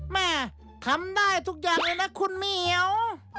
แม่ทำได้ทุกอย่างเลยนะคุณเหมียว